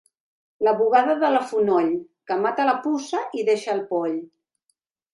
La bugada de la Fonoll, que mata la puça i deixa el poll.